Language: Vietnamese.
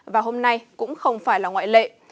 và hôm nay cũng không phải là ngoại lệ